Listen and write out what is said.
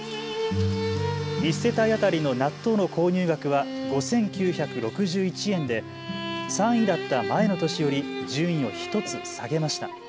１世帯当たりの納豆の購入額は５９６１円で３位だった前の年より順位を１つ下げました。